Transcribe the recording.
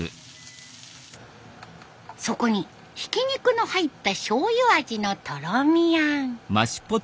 そこにひき肉の入ったしょうゆ味のとろみあん。